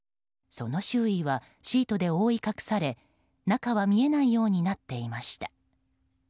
その周囲はシートで覆い隠され中は見えないようになっていました。